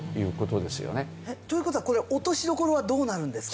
という事はこれ落としどころはどうなるんですか？